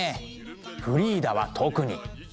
フリーダは特に。